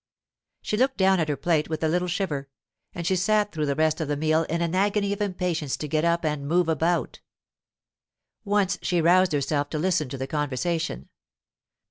She looked down at her plate with a little shiver, and she sat through the rest of the meal in an agony of impatience to get up and move about. Once she roused herself to listen to the conversation.